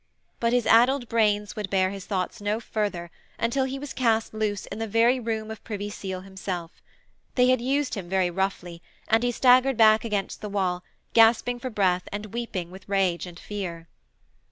but his addled brains would bear his thoughts no further until he was cast loose in the very room of Privy Seal himself. They had used him very roughly, and he staggered back against the wall, gasping for breath and weeping with rage and fear.